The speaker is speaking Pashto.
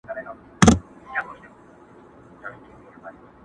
هر څوک يې په خپل نظر ګوري،